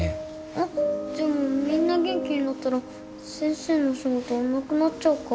あっでもみんな元気になったら先生のお仕事なくなっちゃうか。